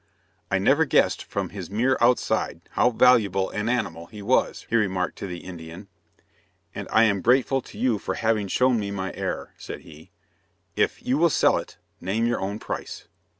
"I never guessed from his mere outside how valuable an animal he was," he remarked to the Indian, "and I am grateful to you for having shown me my error," said he. "If you will sell it, name your own price."